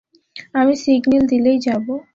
আমি সিগন্যাল দিলেই যাবো।